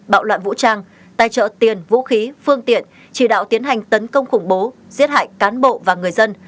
bạo loạn vũ trang tài trợ tiền vũ khí phương tiện chỉ đạo tiến hành tấn công khủng bố giết hại cán bộ và người dân